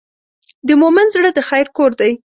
د مؤمن زړه د خیر کور دی.